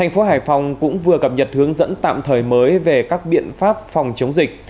tp hcm cũng vừa cập nhật hướng dẫn tạm thời mới về các biện pháp phòng chống dịch